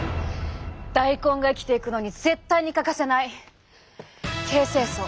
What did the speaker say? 大根が生きていくのに絶対に欠かせない形成層。